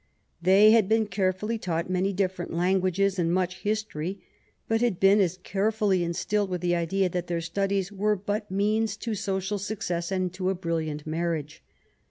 They had been carefully taught many different languages and much history, but had been as carefully instilled with the idea that their studies were but means to social success and to a brilliant marriage.